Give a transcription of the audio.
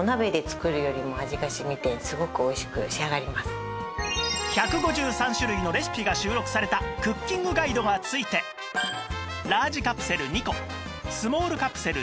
これ１５３種類のレシピが収録されたクッキングガイドが付いてラージカプセル２個スモールカプセル